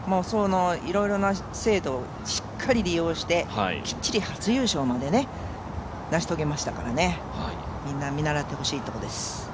いろいろな制度をしっかり利用して、きっちり初優勝まで成し遂げましたからみんな見習ってほしいところです。